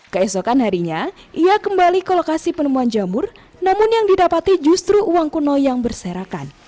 keesokan harinya ia kembali ke lokasi penemuan jamur namun yang didapati justru uang kuno yang berserakan